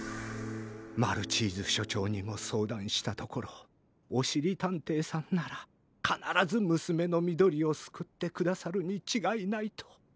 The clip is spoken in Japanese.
マルチーズしょちょうにもそうだんしたところ「おしりたんていさんならかならずむすめのみどりをすくってくださるにちがいない」と。